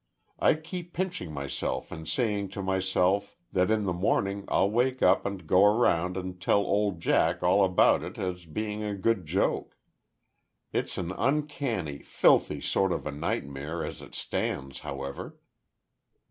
I keep pinching myself and saying to myself that in the morning I'll wake up and go around and tell old Jack all about it as being a good joke. It's an uncanny, filthy sort of a nightmare as it stands, however."